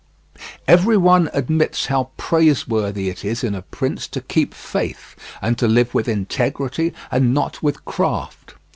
Every one admits how praiseworthy it is in a prince to keep faith, and to live with integrity and not with craft.